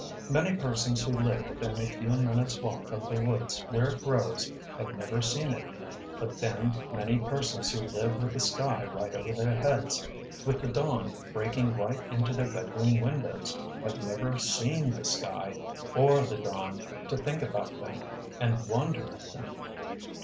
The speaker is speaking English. Many persons who live within a few minutes’ walk of the woods where it grows have never seen it. But then, many persons who live with the sky right over their heads, with the dawn breaking right into their bedroom windows, have never seen the sky or the dawn to think about them, and wonder at them!